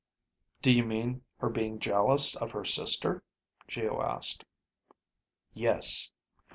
"Do you mean her being jealous of her sister?" Geo asked. "Yes.